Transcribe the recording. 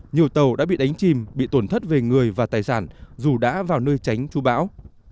nhiều tàu đã bị đánh chìm bị tổn thất về người và tài sản dù đã vào nơi tránh chú bão